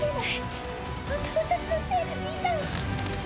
「また私のせいでみんな」